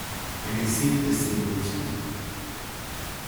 I could see that this had moved him.